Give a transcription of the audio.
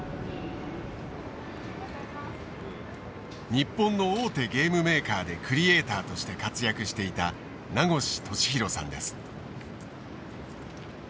日本の大手ゲームメーカーでクリエーターとして活躍していた名越稔洋さんです。